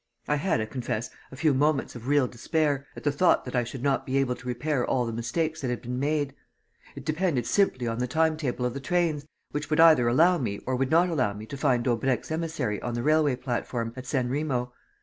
I had, I confess, a few moments of real despair, at the thought that I should not be able to repair all the mistakes that had been made. It depended simply on the time table of the trains, which would either allow me or would not allow me to find Daubrecq's emissary on the railway platform at San Remo.